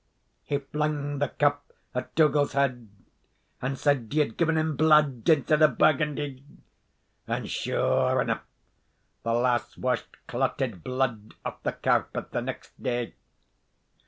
He flung the cup at Dougal's head and said he had given him blood instead of Burgundy; and, sure aneugh, the lass washed clotted blood aff the carpet the neist day.